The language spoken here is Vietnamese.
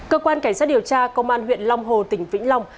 cơ quan cảnh sát điều tra công an huyện long hồ tỉnh vịnh bình